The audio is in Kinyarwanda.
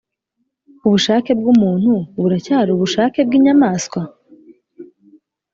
ubushake bw'umuntu buracyari ubushake bw'inyamaswa?